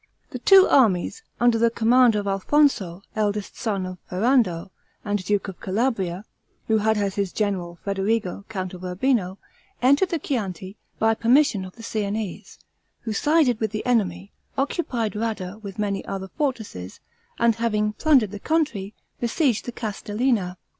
The two armies, under the command of Alfonso, eldest son of Ferrando, and duke of Calabria, who had as his general, Federigo, count of Urbino, entered the Chianti, by permission of the Siennese, who sided with the enemy, occupied Radda with many other fortresses, and having plundered the country, besieged the Castellina.